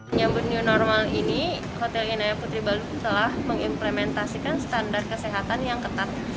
menyambut new normal ini hotel inaya putri bandung telah mengimplementasikan standar kesehatan yang ketat